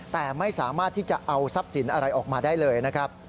แต่ไม่สามารถที่จะเอาทรัพย์สินอะไรออกมาได้เลยนะครับ